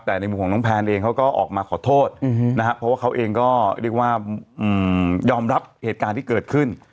แต่ในมุมของน้องแพนเองเขาก็ออกมาขอโทษนะครับเพราะว่าเขาเองก็เรียกว่ายอมรับเหตุการณ์ที่เกิดขึ้น